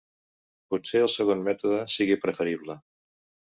Potser el segon mètode sigui preferible.